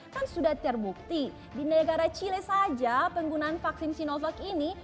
kan sudah terbukti di negara chile saja penggunaan vaksin sinovac ini